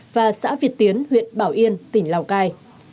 và xã việt tiến huyện bảo yên tỉnh lào cai